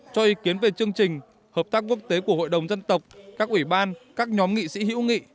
cho ý kiến về chương trình hợp tác quốc tế của hội đồng dân tộc các ủy ban các nhóm nghị sĩ hữu nghị